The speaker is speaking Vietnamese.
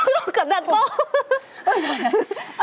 ôi cô cẩn thận cô